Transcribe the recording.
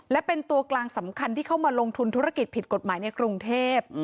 และเป็นตัวกลางสำคัญที่เข้ามาลงทุนธุรกิจผิดกฎหมายในกรุงเทพ